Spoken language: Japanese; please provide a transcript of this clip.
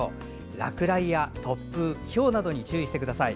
落雷や突風、ひょうなどにご注意ください。